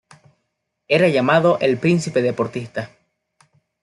Era llamado "el príncipe deportista".